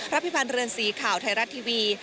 พิพันธ์เรือนสีข่าวไทยรัฐทีวี